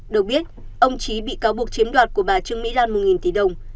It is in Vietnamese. được biết ông trí bị cáo buộc chiếm đoạt của bà trương mỹ lan một tỷ đồng